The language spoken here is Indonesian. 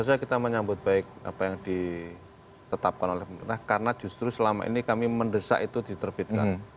seharusnya kita menyambut baik apa yang ditetapkan oleh pemerintah karena justru selama ini kami mendesak itu diterbitkan